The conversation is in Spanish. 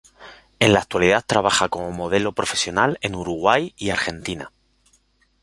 En la actualidad trabaja como modelo profesional en Uruguay y Argentina.